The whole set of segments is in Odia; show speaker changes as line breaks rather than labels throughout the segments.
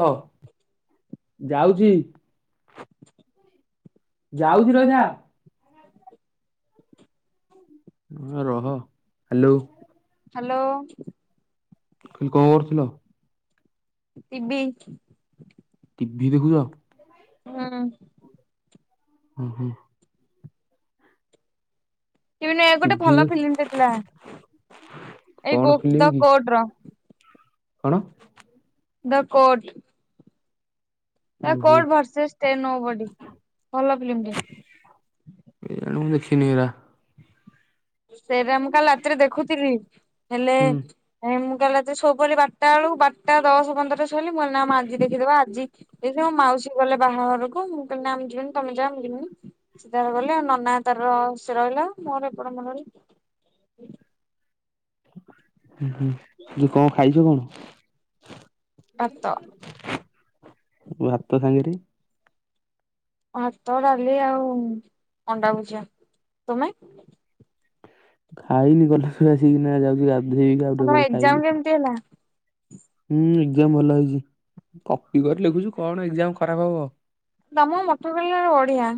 ହ ଯାଉଛି। ଯାଉଛି ରହିଥା। ରହ ହ୍ୟାଲୋ।
ହ୍ୟାଲୋ।
କଣ କରୁଥିଲ।
ଟିବି।
ଟିଭି ଦେଖୁଛ।
ହୁଁ।
ହୁଁ ହୁଁ।
ଏବେ ନୂଆ ଗୋଟେ
ଟିଭି
ଭଲ ଫିଲ୍ମଟେ ଥିଲା ଏଇ
କଣ ଫିଲ୍ମ
ଦ
କି
କୋର୍ଟ ର।
କଣ।
The court. ଦ
ଓହୋ
କୋର୍ଟ ଭର୍ସେସ ଟେନ୍ ଠ ବଡ଼ି ଭଲ ଫିଲ୍ମଟେ।
କେଜାଣି ମୁଁ ଦେଖିନି ଏଇଗୁରା।
ସେରା ମୁଁ କାଲି ରାତିରେ ଦେଖୁଥିଲି ହେଲେ।
ହୁଁ
ନାଇଁ ମୁଁ କାଲି ରାତିରେ ଶୋଇପଡ଼ିଲି ବାରଟା ବେଳକୁ ବାରଟା ଦଶ ପନ୍ଦର ରେ ଶୋଇଲି ମୁଁ ଆଜି ଦେଖିଦେବା ଆଜି। ଏ ଯୋଉ ମାଉସୀ ଗଲେ ବାହାଘରକୁ ମୁଁ କହିଲି ନା ମୁଁ ଯିବିନି ତମେ ଯା ମୁ ଯିବିନି। ସେ ତାର ଗଲେ ଆଉ ନନା ତାର ସେ ରହିଲା ମୋର ଏପଟେ ମୁଁ ରହିଲି।
ହୁଁ ହୁଁ ଇଏ କଣ ଖାଇଛ କଣ।
ଭାତ।
ଭାତ ସାଙ୍ଗରେ।
ଭାତ ଡାଲି ଆଉ ଅଣ୍ଡା ଭୁଜିଆ ତମେ।
ଖାଇନି ଗଲେ ସେ ଆସିକିନା ଯାଉଛି। ଗାଧେଇବି ଆଉ ଟିକେ ପରେ
ଆପଣଙ୍କ
ଖାଇବି।
ଏକ୍ଜାମ କେମିତି ହେଲା।
ହୁଁ ଏକ୍ଜାମ୍ ଭଲ ହେଇଛି କପି କରି ଲେଖୁଛି କଣ ଏକ୍ଜାମ୍ ଖରାପ ହବ।
ତମକୁ ମଟରକୋଲାରେ ବଢିଆ।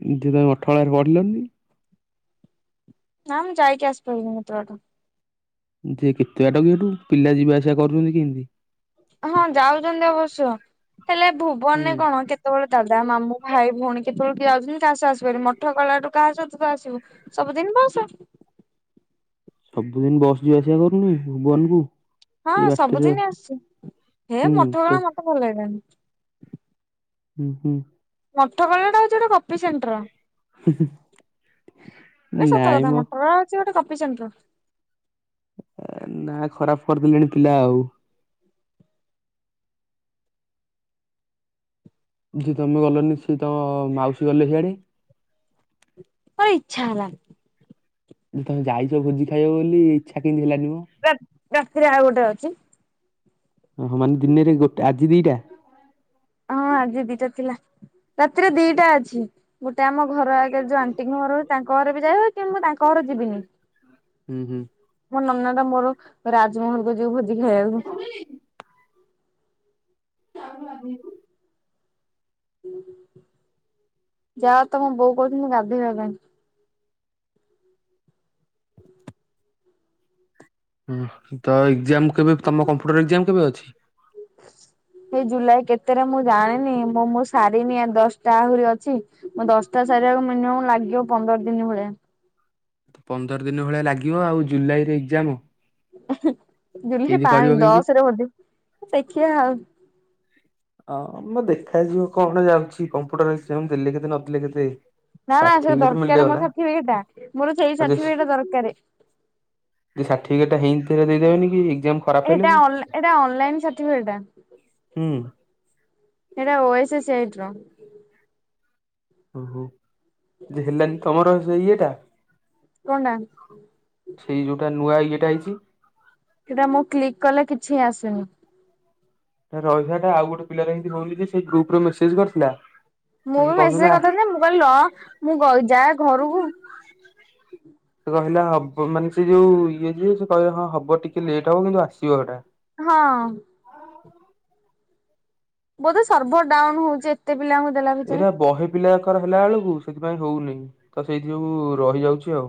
ଏମିତି ତମେ ଅଠରନଳା ରେ ପଢିଲନି।
ନାଁ ମୁଁ ଯାଇକି ଆସି ପାରିବିନି ଏତେ ବାଟ।
ଯେ କେତେ ବାଟ କି ଏଇଠୁ ପିଲା ଯିବାଆସିବା କରୁଛନ୍ତି କେମିତି‌।
ହଁ ଯାଉଛନ୍ତି ଅବଶ୍ୟ ହେଲେ
ହୁଁ
ଭୁବନରେ କଣ କେ। କେତେବେଳେ ଦାଦା ମାମୁଁ ଭାଇ ଭଉଣୀ କେତେବେଳେ କିଏ ଆଉଛନ୍ତି କାହା ସହ ଆସିପାରିବୁ ମଠ ଗଲାଠୁ କାହା ସ ତୁ ଆସିବୁ। ସବୁଦିନ ବସ୍।
ସବୁଦିନ ବସ୍ ଯିବା ଆସିବା କରୁନି ଭୁବନ କୁ।
ହଁ ସବୁଦିନ ଆସିୁଛି ହେ
ହୁଁ
ମତେ
ତ
କଣ ମତେ ଭଲ ଲାଗିଲାଣି।
ହୁଁ ହୁଁ।
ମଠ କଲେଜ୍ ଟା ସେଟା ହଉଛି ଗୋଟେ କପି ସେଣ୍ଟର। ଆବେ ସତ
ନାଇଁ
କଥା
ମ
ମଟର ଅଛି ଗୋଟେ କପିସେଣ୍ଟର।
ନାଁ ଖରାପ କରିଦେଲେଣି ପିଲା ଆଉ। ଯିଏ ତୁମେ ଗଲନି ସିଏ ତମ ମାଉସୀ ଗଲେ ସିଆଡେ।
ମୋ ଇଚ୍ଛା ହେଲାନି।
ତମେ ଯାଇଛ ଭୋଜି ଖାଇବ ବୋଲି ଇଚ୍ଛା କେମିତି ହେଲାନି ମ।
ରାତ୍ ରାତିରେ ଆଉ ଗୋଟେ ଅଛି।
ଓହୋ ମାନେ ଦିନରେ ଗୋଟେ ଆଜି ଦିଇଟା।
ହଁ ଆଜି ଦିଇଟା ଥିଲା। ରାତିରେ ଦିଟା ଅଛି ଗୋଟେ ଆମ ଘର ଆଗରେ ଯୋଉ ଆଣ୍ଟିଙ୍କ ଘର ତାଙ୍କ ଘରେ ବି ଯାଏ କିନ୍ତୁ ମୁଁ ତାଙ୍କ। ତାଙ୍କ ଘରକୁ ଯିବିନି।
ହୁଁ ହୁଁ
ମୋ ନନା ର ମୋର ରାଜମହଲକୁ ଯିବୁ ଭୋଜି ଖାଇବାକୁ।
କୁଆଡେ ଯାଇଥିଲୁ। ଯାଉନୁ ଗାଧେଇବୁ।
ଯା ତମ ବୋଉ କହୁଚିନି କଣ ଗାଧୋଇବା ପାଇଁ। ହୁଁ।
ହୁଁ ତ ଏକ୍ଜାମ କେବେ ତମ କମ୍ପ୍ୟୁଟରେ ଏକ୍ଜାମ କେବେ ଅଛି
ସେଇ ଜୁଲାଇ କେତେ ରେ ମୁଁ ଜାଣିନି ମୁଁ ମୁଁ ସାରିନି ଆ ଦଶଟା ଆହୁରି ଅଛି। ମୋ ଦଶଟା ସାରିବାକୁ ମିନିମମ୍ ଲାଗିବ ପନ୍ଦର ଦିନ ଭଳିଆ।
ପନ୍ଦର ଦିନ ଭଳିଆ ଲାଗିବ ଆଉ ଜୁଲାଇରେ ଏକ୍ଜାମ।
ର୍ହୁ ଜୁଲାଇ
କେମିତି କରିବ
ପାଞ୍ଚ
କେମିତି?
ଦଶରେ ବୋଧେ ଦେଖିବା ଆଉ।
ହଁ ମ ଦେଖା ଯିବ କଣ ଯାଉଛି କମ୍ପ୍ୟୁଟର ଏକ୍ସଯାମ୍ ଦେଲେ କେତେ ନଦେଲେ କେତେ।
ନା ନା ସେଟା
ସାର୍ଟିଫିକେଟ
ଦରକାରେ
ମିଳିଗଲା
ମୋର ସାର୍ଟିଫିକେଟ ଟା ମୋର ସେଇ
ଆଉ
ସାର୍ଟିଫିକେଟା ଦରକାରେ।
ସାର୍ଟିଫିକେଟ୍ ଟା ହେଇଥିରେ ଦେଇଦେବେନି କି। ଏକ୍ଜାମ ଖରାପ ହେଲେ
ଏଇଟା
ବି।
ଏଇଟା ଅନଲାଇନ ସାର୍ଟିଫିକେଟ୍ ଟା।
ହୁଁ
ସେଇଟା ଓ ଏସ୍ ସେଟ୍ ର।
ଓହୋ ଯେ ହେଲାନି ତମର ସେ ଇଏ ଟା।
କଣଟା
ସେଇ ଯୋଉଟା ନୂଆ ଇଏଟା ହେଇଛି।
ସେଇଟା ମୁଁ କ୍ଲିକ୍ କଲେ କିଛି ଆସୁନି।
ରହିବା ଟା ଆଉ ଗୋଟେପିଲା ର ଏମିତି ହଉନି ଯେ ସେଇ ଗ୍ରୁପରେ ମେସେଜ କରିଥିଲା।
ମୁଁ
ସେ
ବି ମେସେଜ
କହୁଥିଲା
କରିଥାନ୍ତି ମୁଁ କହିଲି ରହ ମୁଁ ଯାଏ ଘରକୁ।
ସେ କହିଲା ହବ ମାନେ ସେ ଯୋଉ ଇଏ ଯିବେ ସେ କହିଲେ ହଁ ହବ ଟିକେ ଲେଟ୍ ହବ କିନ୍ତୁ ଆସିବ ସେଇଟା
ହଁ ବୋଧେ ସର୍ଭର ଡାଉନ ହଉଛି। ଏତେପିଲାଙ୍କୁ ଦେଲା ଭିତରେ
ଏଇଟା ବହେ ପିଲାଙ୍କର ହେଲା ବେଳକୁ ସେଥିପାଇଁ ହଉନି ତ ସେଇ ଯୋଗୁ ରହିଯାଉଛି ଆଉ।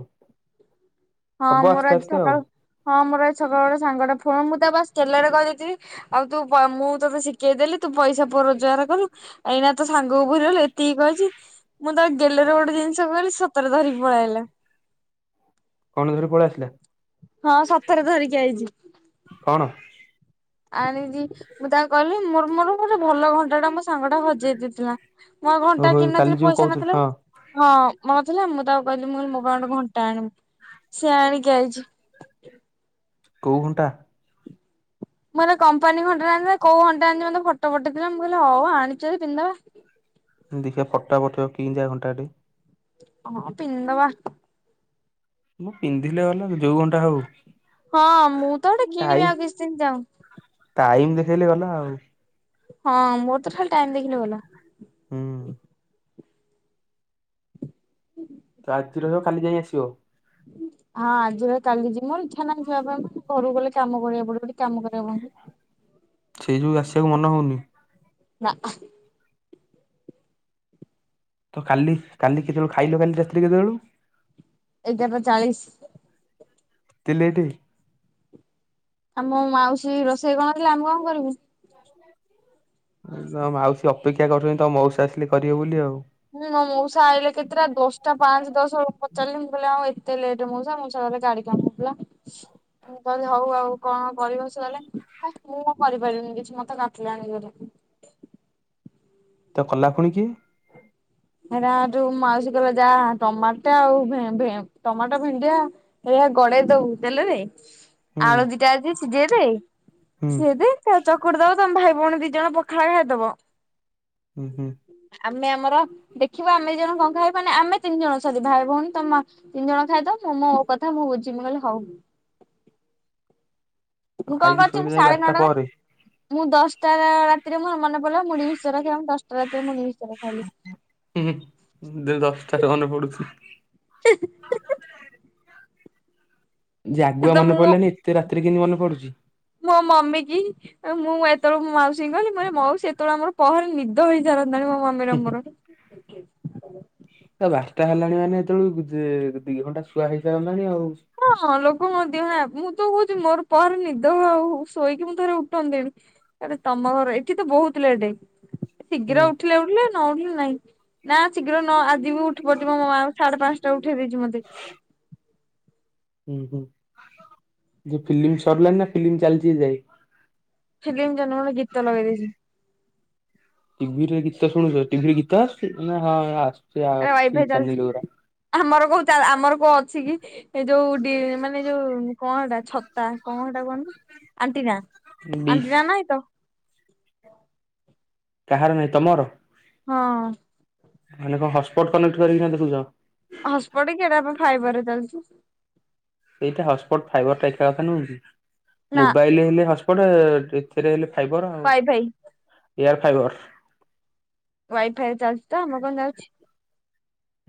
ହଁ
ହବ
ମୋର
ଆସ୍ତେ
ଆଜି
ଆସ୍ତେ ଆଉ
ସକାଳ ହଁ ମୋର ଆଜି ସକାଳୁ ଗୋଟେ ସାଙ୍ଗଟେ ଫୋନ ମୁଁ ତାକୁ ଗେଲ୍ହରେ କହିଦେଇଚି ଆଉ ତୁ ମୁଁ ତୋତେ ଶିଖେଇଦେଲି ତୁ ପଇସା ରୋଜଗାର କଲୁ। ଏଇନା ତୋ ସାଙ୍ଗକୁ ଭୁଲିଗଲି ଏତିକି କହିଛି ମୁଁ ତାକୁ ଗେଲରେ ଗୋଟେ ଜିନିଷ କହିଲି ସତରେ ଧରିକି ପଳିଆଇଲା।
କଣଧରି ପଳି ଆସିଲା।
ହଁ ସତରେ ଧରିକି ଆଇଛି।
କଣ
ଆଣିଚି ମୁଁ ତାଙ୍କ କହିଲି ମୋର ମୋର ଗୋଟେ ଭଲ ଘଣ୍ଟା ଟା ମୋ ସାଙ୍ଗ ଟା ହଜେଇ ଦେଇଥିଲା। ମଁ ଆଉ ଘଣ୍ଟା
ଓହୋ
କିଣି
କାଲି
ନଥିଲି
ଯୋଉ
ପଇସା
କହୁଥିଲୁ
ନଥିଲା
ହଁ
ହଁ ମୋରଥିଲା ମୁଁ ତାକୁ କହିଲି ମୋ ପାଇଁ ଗୋଟେ ଘଣ୍ଟା ଆଣିବୁ ସିଏ ଆଣିକି ଆଇଛି।
କୋଉ ଘଣ୍ଟା।
ମୁଁ କହିଲି କପାନୀ ଘଣ୍ଟା ଆଣିଲ ନା କଉ ଘଣ୍ଟା ଆଣିଛ ମତେ ଫଟୋ ପଠେଇ ଥିଲା ମୁଁ କହିଲି ହଉ ଆଣିଚ ପିନ୍ଧିଦବା।
ଦେଖିବା ଫଟ ଟା ପଠେଇବ କେମିତିକା ଘଣ୍ଟାଟେ।
ହଁ ପିନ୍ଧିଦବା।
ପିନ୍ଧିଲେ ଗଲା ଯୋଉ ଘଣ୍ଟା ହଉ।
ହଁ ମୁଁ ତ ଗୋଟେ
ଟାଇ
କିଣିବି ଆଉ କିଛି ଦିନ ଯାଉ।
ଟାଇମ ଦେଖେଇଲେ ଗଲା ଆଉ
ହଁ ମୋର ତ ଖାଲି ଟାଇମ ଦେଖିଲେ ଗଲା।
ହୁଁ ତ ଆଜି ରହିବ ଖାଲି ଯାଇ ଆସିବ
ହୁଁ ହଁ ଆଜି କାଲି ଯିବ ମୋର ଇଚ୍ଛା ନାହିଁ ଜିବା ପାଇଁ ଘରକୁ ଗଲେ କାମ କରିବାକୁ ପଡିବ ଏଠି କାମ କରିବାକୁ ପଡୁନି।
ସେଇ ଯୋଗୁଁ ଆସିବାକୁ ମନ ହଉନି।
ନା ଆ
ତ କାଲି କାଲି କେତେବେଳେ ଖାଇଲ କାଲି ରାତିରେ କେତେବେଳୁ
ଏଗାରଟା ଚାଳିଶ
ଏତେ ଲେଟେ
ଆମ ମାଉସୀ ରୋଷେଇ କରି ନଥିଲା ଆମେ କଣ କରିବୁ?
ମାଉସୀ ଅପେକ୍ଷା କରୁଛନ୍ତି ତମ ମଉସା ଆସିଲେ କରିବେ ବୋଲି ଆଉ
ହୁଁ ମୋ ମଉସା ଆଇଲେ କେତେଟା ଦଶଟା ପାଞ୍ଚ ଦଶ ପଚାରିଲି ମୁଁ କଲି ଆଉ ଏତେ ଲେଟେ ମଉସା ମଉସା କହିଲେ ଗାଡି କାମ ହୋଉଥିଲା। ମୁଁ କହିଲି ହୋଉ ଆଉ କଣ କରିବା ଚାଲେ ହେ ମୁଁ କରିପାରିଲିନି କିଛି ମତେ କାଟିଲାଣି ଜୋରେ।
ତ କଲା ପୁଣି କିଏ?
ହେଇଟା ଯୋଉ ମାଉସୀ କହିଲେ ଯା ଟମାଟ ଆଉ ଭେ ଭେ ଟମାଟ ଭେଣ୍ଡିଆ ଏୟା ଗଡେଇ ଦବୁ ତେଲରେ
ହୁଁ
ଆଳୁ ଦିଟା ଅଛି ସିଝେଇଦେ
ହୁଁ
ସିଝେଇଦେ। ଚ଼କୁଟି ଦବ ତମ ଭାଇ ଭଉଣୀ ଦି ଜଣ ପଖାଳ ଖାଇଦବ।
ହୁଁ ହୁଁ
ଆମେ ଆମର ଦେଖିବ ଆମେ ଦି ଜଣ କଁ ଖାଇବୁ ମାନେ ଆମେ ତିନି ଜଣ ସରି ଭାଇ ଭଉଣୀ ତମ ତିନି ଜଣ ଖାଇଦବ ମୁଁ ମୋ କଥା ମୁଁ ବୁଝି ବି ମୁଁ କହିଲି ହୋଉ।
ତ
ମୁଁ କଣ
ଖାଇକି
କରିୁଛି
ଶୋଇଲେ
ମୁଁ
ଯାଇ
ସାଢେ
ବାରଟା
ନଅଟା
ପରେ
ମୁଁ ଦଶଟା ରାତିରେ ମୋର ମନେ ପଡିଲା ମୁଢ଼ି ମିଶ୍ଚର ଖାଇବାକୁ ମୁଁ ଦଶଟା ରାତିରେ ମୁଢ଼ି ମିଶ୍ଚର ଖାଇଲି।
ଉଁ ହୁଁ ଦିନ ଦଶଟାରେ ମନେ ପଡୁଛି।
[unintelligible]
ଯେ
ସେ
ଆଗୁଆ
ତ
ମନେ
ମୁଁ ମୋ
ପଇଲାନି ଏତେ ରାତିରେ କେମିତି ମନେ ପଡୁଛି?
ମୋ ମମି କି ଆଉ ମୁଁ ଏତେବେଳକୁ ମୁଁ ମାଉସୀଙ୍କି କହିଲି ମୁଁ କହିଲି ମାଉସୀ ଏତେବେଳକୁ ଆମର ପହରେ ନିଦ ତ ହେଇ ସାରନ୍ତାଣି ମୋ ମାମିର ମୋର।
ତ ବାରଟା ହେଲାଣି ମାନେ ଏତେବେଳୁ ଦି ଘଣ୍ଟା ଶୁଆ ହେଇସାରନ୍ତାଣି ଆଉ।
ହଁ ଲୋକଙ୍କ ଦେହ ମୁଁ ତ କହୁଛିି ମୋର ପହରେ ନିଦ ଆଉ ଶୋଇକି ମୁଁ ଥରେ ଉଠନ୍ତିଣି। ତମ ଘର ଏଠି ତ ବହୁତ ଲେଟ୍
ହୁଁ
ଶୀଘ୍ର ଉଠିଲେ ଉଠିଲେ ନ ଉଠିଲେ ନାଇଁ। ନା ଶୀଘ୍ର ନ ଆଜି ବି ଉଠି ପଡିଛି ମୋ ମାଁ ସାଢେ ପାଞ୍ଚଟା ଉଠେଇ ଦେଇଛି ମତେ।
ହୁଁ ହୁଁ ଯେ ଫିଲ୍ମି ସରିଲାଣିି ନା ଫିଲ୍ମି ଚାଲିଛି ଏଯାଏଁ?
ଫିଲ୍ମଟା ନୁହେଁ ଗୀତ ଲଗେଇ ଦେଇଛି।
ଟିଭିରେ ଗୀତ ଶୁଣୁଛ ଟିଭିରେ ଗୀତ ଆସୁଛି। ନା ହଁ ଆସୁଛି
ଆରେ
ଆସୁଛି
ୱାଇଫାଇ ଚାଲିଛି
ଚେନାଲ୍ ଗୁଡା।
ଆମର କୋଉ ଚା ଆମର କୋଉ ଅଛି କି? ଏଇ ଯୋଉ ଡି ମାନେ ଯୋଉ କଣ ଏଟା ଛତା କଣ ସେଟା କହନ୍ତି ଆଣ୍ଟିନା।
ଡିସ୍
ଆଣ୍ଟିନା ନାହିଁ ତ?
କାହାର ନାହିଁ ତମର?
ହଁ।
ମାନେ କଣ ହଟସ୍ପଟ କନେକ୍ଟ କରିକିନା ଦେଖୁଛ?
ହସ୍‌ପଟ କି ଏଇଟା ଆମର ଫାଇବର ଚାଲିଛି।
ସେଇଟା ହସ୍‌ପଟ ଫାଇବରଟା ଏକା କଥା ନୁହଁକି
ନା
ମୋବାଇଲ ହେଲେ ହସ୍‌ପଟ। ସେଥିରେ ହେଲେ ଫାଇବର ଆଉ
ୱାଇ ଫାଇ
ଏୟାର ଫାଇବର।
ୱାଇଫାଇରେ ଚାଲିଛି ତ ଆମ କଣ ଯାଉଛି।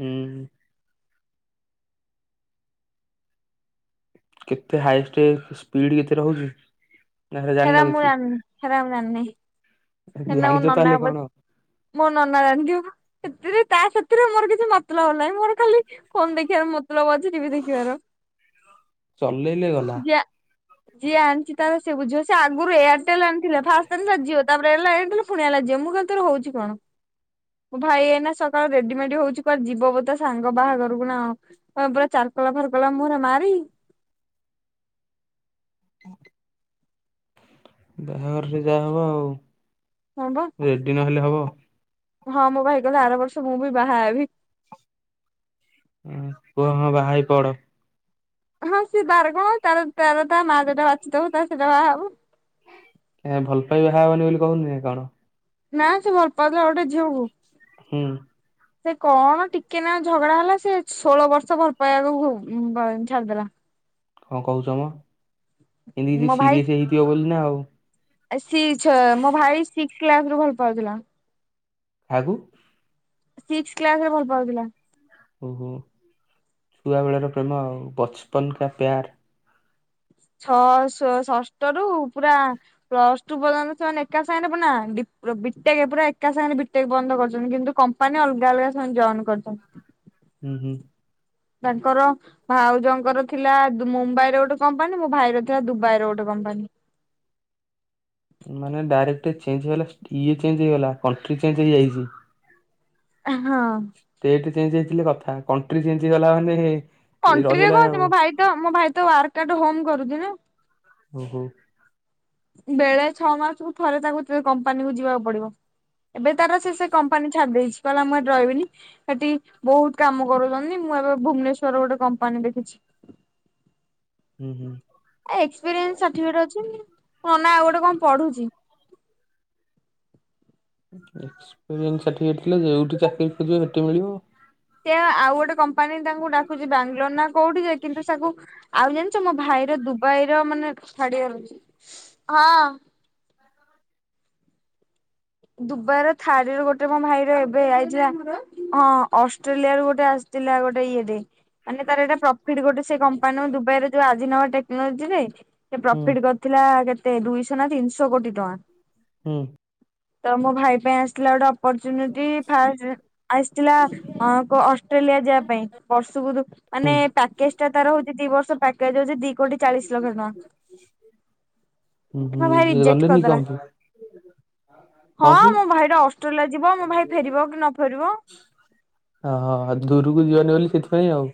ହୁଁ ହୁଁ। କେତେ ହାଇ ଷ୍ଟେପ୍ ସ୍ପିଡ କେତେ ରହୁଛି? ନା
ହେରା
ଜାଣିନ
ମୁଁ
କିଛି
ଜାଣିନି ହେରା ମୁଁ ଜାଣିନି? ଏଟା ମୋ
ଜାଣିଛ
ନନା
ତାହେଲେ
ପ
କଣ
ମୋ ନନା ଜାଣିଥିବ? ସେଥିରେ ତା ସେଥିରେ ମୋର କିଛି ମତଲବ ନାହିଁ। ମୋର ଖାଲି ଫୋନ ଦେଖିବାର ମତଲବ ଅଛି। ଟିଭି ଦେଖିବାର
ଚଲେଇଲେ ଗଲା
ଯା। ଯିଏ ଆଣିଛି ତାର ସିଏ ବୁଝିବ। ସେ ଆଗରୁ ଏୟାରଟେଲ ଆଣିଥିଲା ଫାଷ୍ଟ ଆଣିଲିଅ ଜିଓ ତା କାଇଁ ଆଣିଥିଲୁ ପୁଣି ଆଣିଲା ଜିଓ। ମୁଁ ତରେ ହଉଛି କଣ? ମୋ ଭାଇ ଏଇନା ସକାଳୁ ରେଡିମେଡି ହଉଛି କୁଆଡ ଯିବ ବୋଧେ ତା ସାଙ୍ଗ ବାହାଘରକୁ ନା ଆଉ। ହଁ ପୁରା ଚାର ପଲା ଫାର ପଲା ମୁହଁରେ ମାରି।
ଆଜ୍ [inaudible] ବାହାଘରରେ ଯାହାହବ ଆଉ।
ହଁ ବା।
ରେଡି ନହେଲେ ହବ?
ହଁ ମୋ ଭାଇ କହିଲା ଆର ବର୍ଷ ମୁଁ ବି ବାହା ହେବି।
କୁହ ହଁ ବାହା ହେଇ ପଡ।
ହଁ ସିଏ ବାର କଣ ତାର ତାର ତା ମା ଯୋଉଟା ବାଛିଦବ ତାର ସେଇଟା ବାହା ହବ।
ଏ ଭଲ ପାଇ ବାହା ହବନି ବୋଲି କହୁନି ନା କଣ?
ନା ସେ ଭଲ ପାଉଥିଲା ଗୋଟେ ଝିଅକୁ।
ହୁଁ।
ସେ କଣ ଟିକେ ନାକୁ ଝଗଡା ହେଲା ସେ ଷୋଳ ବର୍ଷ ଭଲ ପାଇବାକୁ ବୁ ଛାଡିଦେଲା।
କଣ କହୁଛ ମ, ଏମତି କିଛି
ମୋ ଭାଇ
ସିରିଏସ ହେଇଥିବ ବୋଲି ନା ଆଉ।
ସି ଛ ମୋ ଭାଇ ସିକ୍ସ କ୍ଲାସ ରୁ ଭଲ ପାଉଥିଲା।
କାହାକୁ?
ସିକ୍ସ କ୍ଲାସ ରେ ଭଲ ପାଉଥିଲା।
ଓହୋ ଛୁଆ ବେଳ ର ପ୍ରେମ ଆଉ, ବଚପନ କା ପ୍ୟାର।
ଛଅ ଷ ଷଷ୍ଠ ରୁ ପୁରା ପ୍ଲସ ଟୁ ପର୍ଯ୍ୟନ୍ତ ସେମାନେ ଏକା ସାଙ୍ଗରେ ପୁନା ଡ଼ି ବିଟେକ୍ ପୁରାଏକା ସାଙ୍ଗେ ବିଟେକ ପର୍ଯ୍ୟନ୍ତ କରିଚନ୍ତି କିନ୍ତୁ କମ୍ପୁ ମ୍ପାନୀ ମାନେ ଅଲଗା ଅଲଗା ସେମାନେ ଜଏନ କରଛନ୍ତି।
ହୁଁ ହୁଁ।
ତାଙ୍କର ଭାଉଜଙ୍କର ଥିଲା ମୁମ୍ବାଇ ର ଗୋଟେ କମ୍ପାନୀ, ମୋ ଭାଇର ଥିଲା ଦୁବାଇ ର ଗୋଟେ କମ୍ପାନୀ।
ମାନେ ଡାଇରେକ୍ଟ ଚେଞ୍ଜ ହେଇଗଲା ଇଏ ଚେଞ୍ଜ ହେଇଗଲା କଣ୍ଟ୍ରି ଚେଞ୍ଜ ହେଇଯାଇଛି।
ଏ ହଁ।
ଷ୍ଟେଟ ଚେଞ୍ଜ ହେଇଥିଲେ କଥା କଣ୍ଟ୍ରି ଚେଞ୍ଜ ହେଇଗଲା ମାନେ
କଣ୍ଟ୍ରିରେ
ରହିଗଲା
କଣ ଅଛି
ଆଉ
ମୋ ଭାଇ ତ ମୋ ଭାଇ ତ ୱାର୍କ ଆଟ୍ ହୋମ କରୁଛି ନା।
ଓ ହୋ।
ବେଳେ ଛଅ ମାସକୁୁ ଥରେ ତାକୁ କମ୍ପାନୀ କୁ ଯିବାକୁ ପଡିବ। ଏବେ ତାର ସେ, ସେ କମ୍ପାନୀ ଛାଡି ଦେଇଛି କହିଲା ମୁଁ ଏଠି ରହିବିନି। ସେଠି ବହୁତ କାମ କରଉଛନ୍ତି, ମୁଁ ଏବେ ଭୁବନେଶ୍ଵର ଗୋଟେ କମ୍ପାନୀ ଦେଖିଛି। [unintelligible]
ହୁଁ ହୁଁ।
ଏ ଏକ୍ସପିରିଏନ୍ସ ସାଟିପିକେଟ ଅଛି। ହଁ ନା ଆଉ ଗୋଟେ କଣ ପଢୁଛି।
ଏକ୍ସପେରିଏନସ୍ ସାଟି ପିକେଟ୍ ଥିଲେ ଯୋଉଠି ଚାକିରି ଖୋଜିବ ସେଠି ମିଳିବ।
ସେ ଆଉ ଗୋଟେ କମ୍ପାନୀ ତାଙ୍କୁ ଡାକୁଛି ବାଙ୍ଗାଲୋର ନା କୋଉଠି ଯେ କିନ୍ତୁ ତାକୁ ଆଉ ଜାଣିଛ ମୋ ଭାଇର ଦୁବାଇ ର ମାନେ ଛାଡି ଆରୁଛି ହଁ ଦୁବାଇ ର ଥାଡି ର ଗୋଟେ ମୋ ଭାଇର ଏବେ ଆଇଥିଲା, ହଁ ଅଷ୍ଟ୍ରେଲିଆ ରୁ ଗୋଟେ ଆସି ଥିଲା ଗୋଟେ ଇଏ ଟେ ମାନେ ତାର ଏଇଟା ପ୍ରଫିଟ୍ ଗୋଟେ ସେ କମ୍ପାନୀର ଦୁବାଇରେ ଯୋଉ ଆଜିନୱ୍ଵା ଟେକ୍ନୋଲୋଜି ରେ ସେ
ହୁଁ
ପ୍ରଫିଟ୍ କର ଥିଲା କେତେ ଦୁଇଶହ ନା ତିନିଶହ କୋଟି ଟଙ୍କା।
ହୁଁ।
ତ ମୋ ଭାଇ ପାଇଁ ଆସିଥିଲା ଗୋଟେ ଅପରଚ୍ଯୁନିଟି ଫାଷ୍ଟ ଆସିଥିଲା ଅ କ ଅଷ୍ଟ୍ରେଲିଆ ଯିବା ପାଇଁ ବର୍ଷ କୁରୁ
ହୁଁ
ମାନେ ପ୍ୟାକେଜ ଟା ତାର ହଉଛି ଦି ବର୍ଷ ପ୍ୟାକେଜ ହଉଛି ଦି କୋଟି ଚାଳିଶ ଲକ୍ଷ
ହୁଁ
ଟଙ୍କା ମୋ
ହୁଁ
ଭାଇ
ଯିଏ
ରିଜେକ୍ଟ
ଗଲେନି
କରିଦେଲା।
କଣ ପାଇଁ
ହଁ
କଣ ପାଇଁ
ମୋ ଭାଇ ଟା ଅଷ୍ଟ୍ରେଲିଆ ଯିବ ମୋ ଭାଇ ଫେରିବ କି ନ ଫେରିବ।
ହ ହଁଉ ଦୂରକୁ ଯିବନି ବୋଲି ସେଥିପାଇଁ ଆଉ।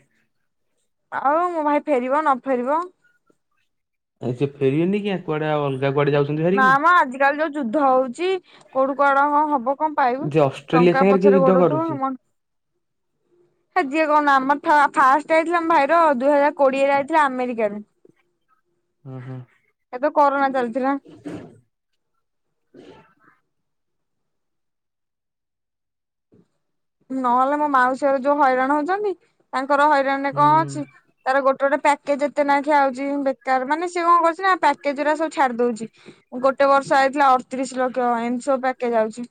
ଆଉ ମୋ ଭାଇ ଫେରିବ ନ ଫେରିବ।
ଆ ସେ ଫେରିବେନି କିଆଁ କୁଆଡେ ଆଉ ଅଲଗା କୁଆଡେ ଯାଉ
ନା ମା ଆଜି କାଲି ଯୋଉ ଯୁଦ୍ଧ ହଉଛି କୋଉଠୁ କୁଆଡେ କଣ ହବ କଣ ପାଇବୁ।
ଯେ ଅଷ୍ଟ୍ରେଲିଆ
ଟଙ୍କା
ସାଙ୍ଗରେ କିଏ
ପଛରେ
ଯୁଦ୍ଧ
ଗୋଡଉଥିବ
କରୁଛି?
ହ ସେ ଯିଏ କଣ ଆମର ଫାଷ୍ଟ ଆଇଥିଲା ଆମ ଭାଇର ଆଉ ଦୁଇ ହଜାର କୋଡିଏରେ ଆଇଥିଲା ଆମେରିକାରୁ।
ଓ ହ।
ସେବେ କରୋନା ଚାଲିଥିଲା।
[inaudible]
ନହେଲେ ମୋ ମାଉସି ଘର ଯୋଉ ହଇରାଣ ହଉଛନ୍ତି ତାଙ୍କର ହଇରାଣ ରେ କଣ
ହୁଁ।
ଅଛି? ତାର ଗୋଟେ ଗୋଟେ ପ୍ୟାକେଜ ଏତେ ନା ଖେ ଆଉଛି ବେକାର ମାନେ ସେ ଏ କଣ କରୁଛି ନା ପ୍ୟାକେଜ୍ ଗୁଡା ସବୁ ଛାଡି ଦଉଛି। ଗୋଟେ ବର୍ଷ ଆଇଥିଲା ଅଠତିରିଶ ଲକ୍ଷ ଏମିତି ସବୁ ପ୍ୟାକେଜ ଆଉଛି।